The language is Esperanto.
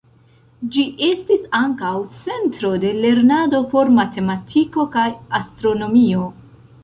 Ĝi estis ankaŭ centro de lernado por matematiko kaj astronomio.